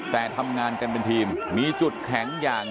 แต่ทำงานกันเป็นทีมมีจุดแข็งอย่าง